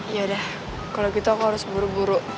yaudah kalau gitu aku harus buru buru